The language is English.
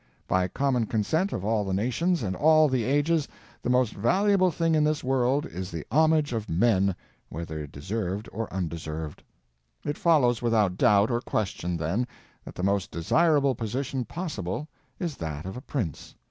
By common consent of all the nations and all the ages the most valuable thing in this world is the homage of men, whether deserved or undeserved. It follows without doubt or question, then, that the most desirable position possible is that of a prince.